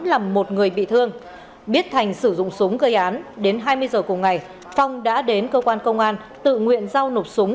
làm một người bị thương biết thành sử dụng súng gây án đến hai mươi giờ cùng ngày phong đã đến cơ quan công an tự nguyện giao nộp súng